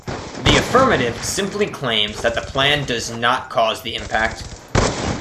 The affirmative simply claims that the plan does not cause the impact.